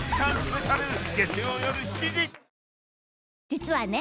実はね